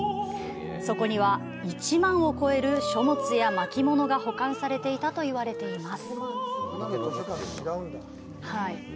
そこには１万を超える書物や巻物が保管されていたと言われています。